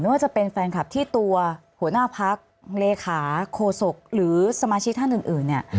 ว่าจะเป็นแฟนคลับที่ตัวหัวหน้าพักเลขาโคศกหรือสมาชิกท่านอื่นเนี่ย